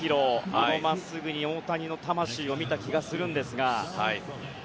あの真っすぐに大谷の魂を見た気がしますが。